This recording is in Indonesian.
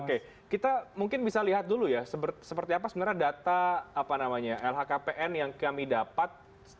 oke kita mungkin bisa lihat dulu ya seperti apa sebenarnya data lhkpn yang kami dapat